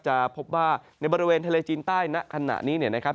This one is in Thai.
จะพบว่าในบริเวณทะเลจีนใต้ณขณะนี้เนี่ยนะครับ